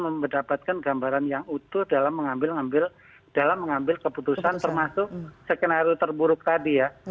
semakin mendapatkan gambaran yang utuh dalam mengambil keputusan termasuk skenario terburuk tadi ya